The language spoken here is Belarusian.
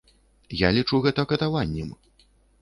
Я лічу гэта катаваннем.